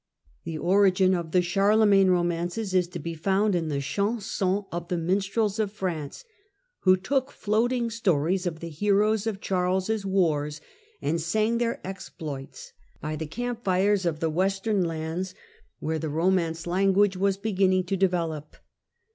The origin of the Charlemagne romances is to be found in the chansons of the minstrels of France, who took floating stories of the heroes of Charles' wars and sang their exploits by the camp fires of the western 200 the Charlemagne of romance 201 lands where the Romance language was beginning to develop.